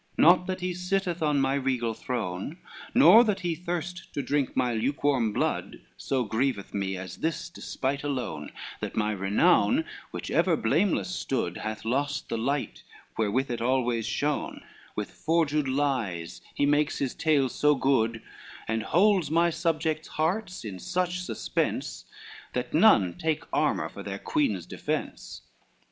LVIII "Not that he sitteth on my regal throne, Nor that he thirst to drink my lukewarm blood, So grieveth me, as this despite alone, That my renown, which ever blameless stood, Hath lost the light wherewith it always shone: With forged lies he makes his tale so good, And holds my subjects' hearts in such suspense, That none take armor for their queen's defence.